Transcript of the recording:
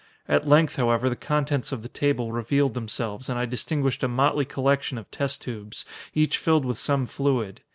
At length, however, the contents of the table revealed themselves, and I distinguished a motley collection of test tubes, each filled with some fluid.